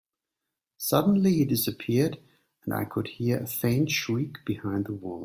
Suddenly, he disappeared, and I could hear a faint shriek behind the walls.